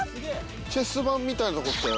チェス盤みたいなとこ来たよ。